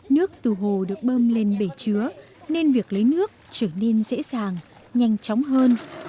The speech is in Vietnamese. nước từ hồ được bơm lên bể chứa nên việc lấy nước trở nên dễ dàng nhanh chóng hơn